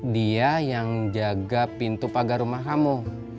dia yang jaga pintu pagar rumah kamu